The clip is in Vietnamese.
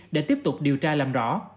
để tiếp tục điều tra làm rõ